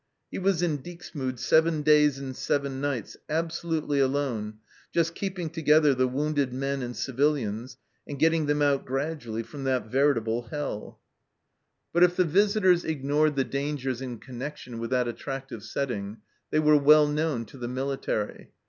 He was in Dixmude seven days and seven nights, abso lutely alone, just keeping together the wounded men and civilians, and getting them out gradually from that veritable hell." 166 THE CELLAR HOUSE OF PERVYSE But if the visitors ignored the dangers in connec tion with that attractive setting, they were well known to the military.